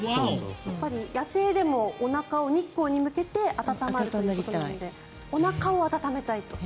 野生でもおなかを日光に向けて温めるということなのでおなかを温めたいと。